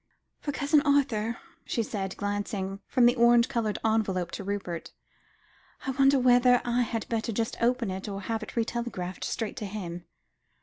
"For Cousin Arthur," she said, glancing from the orange coloured envelope to Rupert. "I wonder whether I had better just open it, or have it re telegraphed straight on to him?"